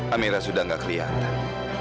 amira sudah gak kelihatan